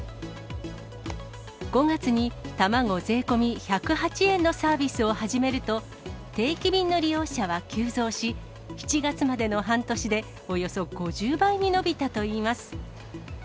５月に卵税込み１０８円のサービスを始めると、定期便の利用者は急増し、７月までの半年でおよそ５０倍に伸びたといいます。